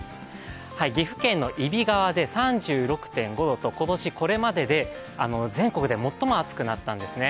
岐阜県の揖斐川で３６．５度と、今年これまでで全国で最も暑くなったんですね。